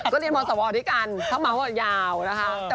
ก็เรียนมสวที่กันเขามาวัดยาวนะคะ